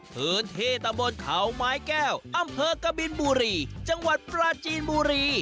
พื้นที่ตะบนเขาไม้แก้วอำเภอกบินบุรีจังหวัดปราจีนบุรี